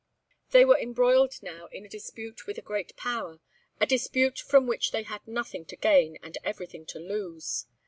They were embroiled now in a dispute with a great Power, a dispute from which they had nothing to gain and everything to lose.